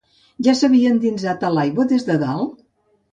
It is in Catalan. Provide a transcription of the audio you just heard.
Ja s'havia endinsat a l'aigua des de dalt?